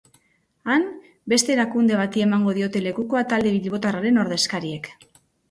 Han, beste erakunde bati emango diote lekukoa talde bilbotarraren ordezkariek.